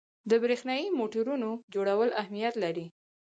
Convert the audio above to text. د برېښنايي موټورونو جوړول اهمیت لري.